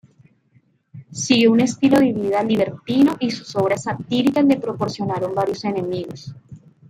Siguió un estilo de vida libertino y sus obras satíricas le proporcionaron varios enemigos.